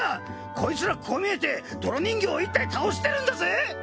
こいつらこう見えて泥人形を１体倒してるんだぜ！